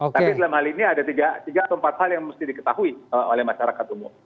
tapi dalam hal ini ada tiga atau empat hal yang mesti diketahui oleh masyarakat umum